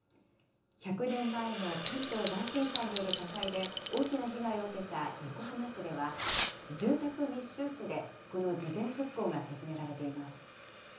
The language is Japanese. １００年前の関東大震災による火災で、大きな被害を受けた横浜市では、住宅密集地で、この事前復興が進められています。